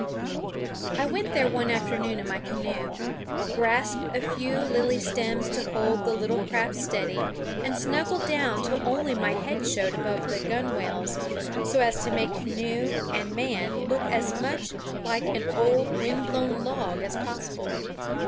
I went there one afternoon in my canoe, grasped a few lily stems to hold the little craft steady, and snuggled down till only my head showed above the gunwales, so as to make canoe and man look as much like an old, wind blown log as possible.